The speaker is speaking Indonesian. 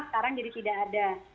sekarang jadi tidak ada